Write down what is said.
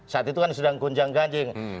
saat itu kan sedang gonjang ganjing